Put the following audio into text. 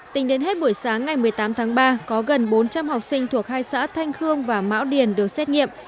tính đến hết buổi sáng ngày một mươi tám tháng ba có gần bốn trăm linh học sinh thuộc hai xã thanh khương và mão điền được xét nghiệm